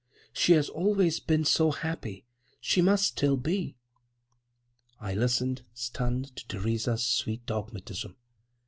She has always been so happy—she must still be." < 4 > I listened, stunned, to Theresa's sweet dogmatism.